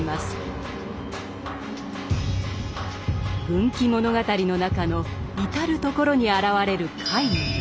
軍記物語の中の至る所に現れる怪異。